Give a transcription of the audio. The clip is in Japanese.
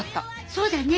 そうだね。